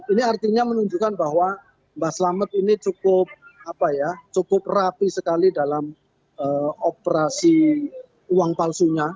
ini artinya menunjukkan bahwa mbah selamet ini cukup rapi sekali dalam operasi uang palsunya